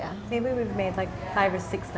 mungkin kita udah bikin lima atau enam sekarang